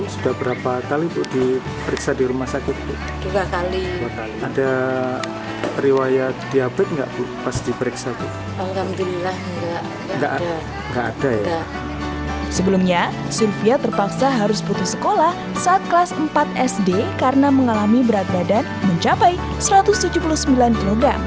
sebelumnya sylvia terpaksa harus putus sekolah saat kelas empat sd karena mengalami berat badan mencapai satu ratus tujuh puluh sembilan kg